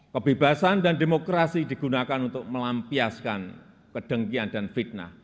kebebasan dan demokrasi digunakan untuk melampiaskan kedengkian dan fitnah